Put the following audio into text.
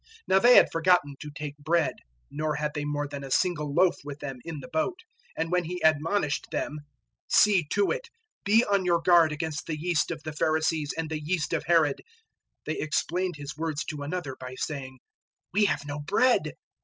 008:014 Now they had forgotten to take bread, nor had they more than a single loaf with them in the boat; 008:015 and when He admonished them, "See to it, be on your guard against the yeast of the Pharisees and the yeast of Herod," 008:016 they explained His words to one another by saying, "We have no bread!"